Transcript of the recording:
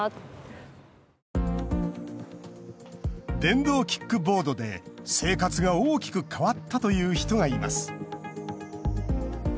電動キックボードで生活が大きく変わったという人がいます。